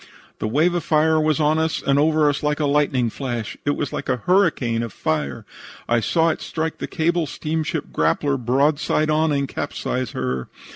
"The wave of fire was on us and over us like a lightning flash. It was like a hurricane of fire. I saw it strike the cable steamship Grappler broadside on and capsize her.